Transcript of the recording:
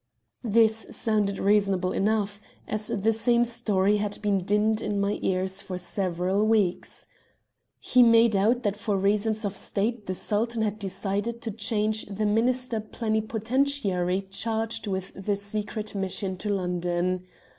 "This sounded reasonable enough, as the same story had been dinned in my ears for several weeks. "He made out that for reasons of State the Sultan had decided to change the Minister Plenipotentiary charged with secret mission to London.